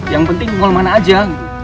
yang penting kalau mana aja